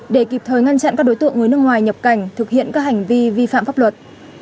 để kịp thời ngăn chặn các đối tượng người nước ngoài nhập cảnh thực hiện các hành vi vi phạm pháp luật